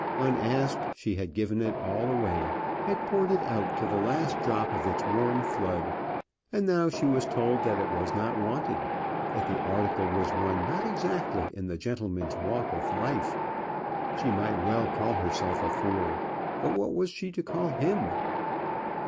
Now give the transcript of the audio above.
Unasked she had given it all away, had poured it out to the last drop of its warm flood; and now she was told that it was not wanted, that the article was one not exactly in the gentleman's walk of life! She might well call herself a fool: but what was she to call him?